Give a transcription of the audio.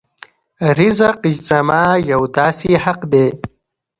رزق زما یو داسې حق دی.